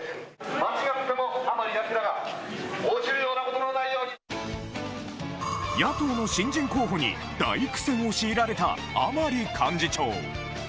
間違っても甘利明が落ちるよ野党の新人候補に大苦戦を強いられた甘利幹事長。